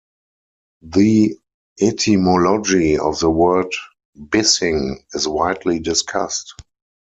The etymology of the word "Bissing" is widely discussed.